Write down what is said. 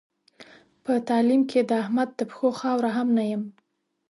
په تعلیم کې د احمد د پښو خاوره هم نه یم.